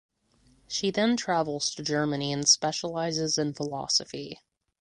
She then travels to Germany and specializes in philosophy.